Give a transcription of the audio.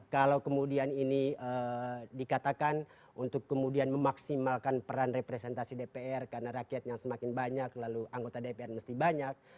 kalau kemudian ini dikatakan untuk kemudian memaksimalkan peran representasi dpr karena rakyatnya semakin banyak lalu anggota dpr mesti banyak